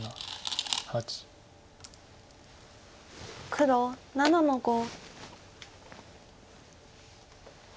黒７の五。